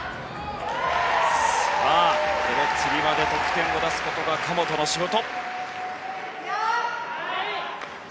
このつり輪で得点を出すことが神本の仕事。